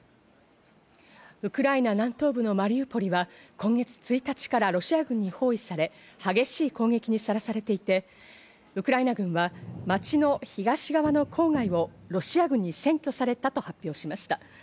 ウクライナ南東部のマリウポリは今月１日からロシア軍に包囲され、激しい攻撃にさらされていて、ウクライナ軍が町の東側の郊外をロシア軍に占拠されたと発表しました。